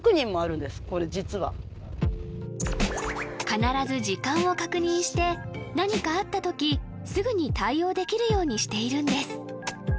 これ実は必ず時間を確認して何かあったときすぐに対応できるようにしているんです